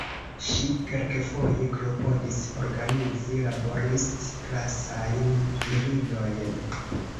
Ŝi kelkfoje klopodis organizi laborist-klasajn virinojn.